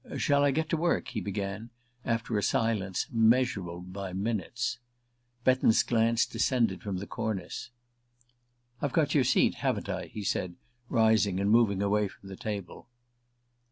"Shall I get to work?" he began, after a silence measurable by minutes. Betton's gaze descended from the cornice. "I've got your seat, haven't I?" he said, rising and moving away from the table.